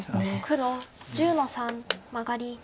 黒１０の三マガリ。